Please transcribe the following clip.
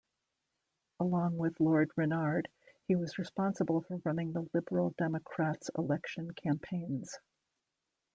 Along with Lord Rennard, he was responsible for running the Liberal Democrats' election campaigns.